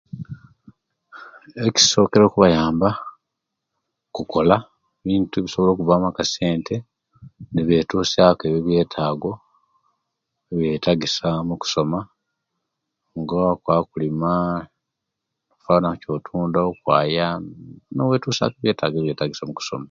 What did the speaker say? Ekisokera okubayamba kukola bintu ebisobila okuvamu akasente nibetuskya ku ebiyo ebiyetago ebibetagisya mukusoma nga okwa kulima kwona ekyotunda okwaya niwetusiya ku ebiyetago ebibetaga okwisomero